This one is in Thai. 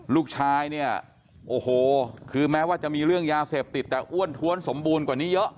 ลูกชายเนี่ยโอ้โหคือแม้ว่าจะมีเรื่องยาเสพติดแต่อ้วนท้วนสมบูรณ์กว่านี้เยอะ